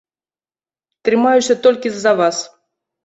Трымаюся толькі з-за вас.